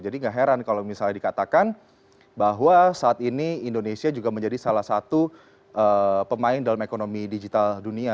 jadi gak heran kalau misalnya dikatakan bahwa saat ini indonesia juga menjadi salah satu pemain dalam ekonomi digital dunia